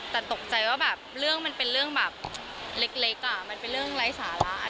แต่ตกใจว่าแบบเรื่องมันเป็นเรื่องแบบเล็กมันเป็นเรื่องไร้สาระ